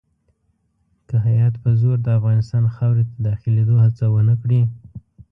که هیات په زور د افغانستان خاورې ته داخلېدلو هڅه ونه کړي.